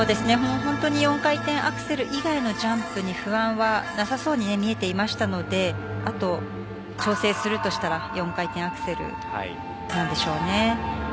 ４回転アクセル以外のジャンプに不安はなさそうに見えていましたのであと、調整するとしたら４回転アクセルなんでしょうね。